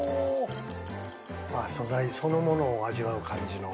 素材そのものを味わう感じの。